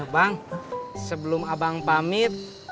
bang sebelum abang pamit